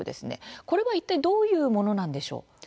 これはいったいどういうものなんでしょう。